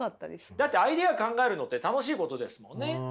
だってアイデア考えるのって楽しいことですもんね。